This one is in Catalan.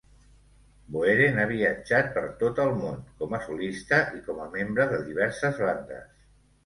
Boeren ha viatjat per tot el món, com a solista i com a membre de diverses bandes.